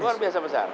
luar biasa besar